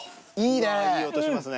いい音しますね。